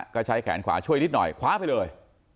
ก็ใช้แขนขวาช่วยนิดหน่อยคว้าไปเลย